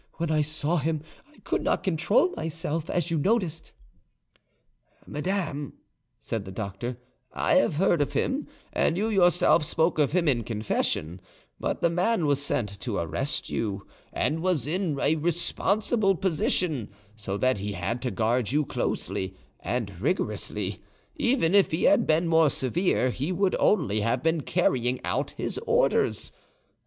When I saw him, I could not control myself, as you noticed." "Madame," said the doctor, "I have heard of him, and you yourself spoke of him in confession; but the man was sent to arrest you, and was in a responsible position, so that he had to guard you closely and rigorously; even if he had been more severe, he would only have been carrying out his orders.